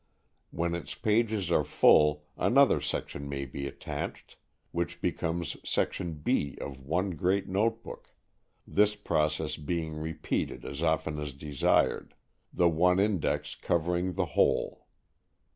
When its pages are full, another section may be attached, which becomes Section B of one great notebook, this process being repeated as often as desired, the one index covering the whole.